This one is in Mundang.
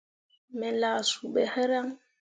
Me lah suu ɓe hǝraŋ.